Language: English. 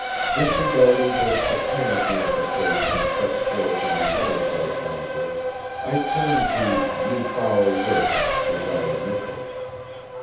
Disregarding the satanic manifestations set forth in the other four chronicles, I turned to "Ye Foule Witch, Desire Michell."